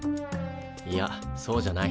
いやそうじゃない。